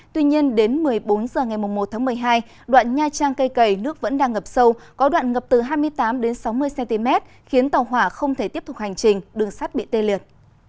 tuy nhiên đến một mươi bốn h ngày một một mươi hai đoạn nha trang cây cẩy nước vẫn đang ngập sâu có đoạn ngập từ hai mươi tám sáu mươi cm khiến tàu hỏa không thể tiếp tục hành trình đường sắt bị tê liệt